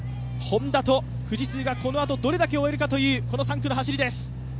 Ｈｏｎｄａと富士通がこのあとどれだけ追えるかという３区の走りです。